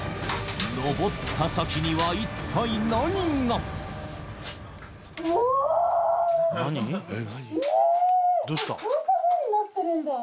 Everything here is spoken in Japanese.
上った先には一体何が？え！